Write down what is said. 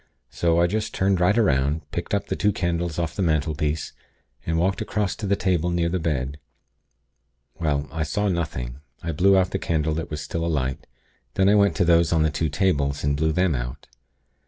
So I just turned right 'round, picked up the two candles off the mantelpiece, and walked across to the table near the bed. Well, I saw nothing. I blew out the candle that was still alight; then I went to those on the two tables, and blew them out.